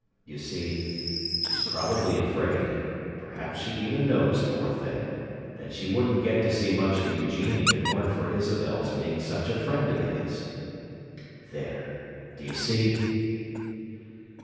You see, she's probably afraid—perhaps she even knows, poor thing!—that she wouldn't get to see much of Eugene if it weren't for Isabel's being such a friend of his. There! D'you see?"